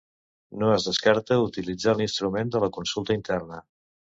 No es descarta utilitzar l’instrument de la consulta interna.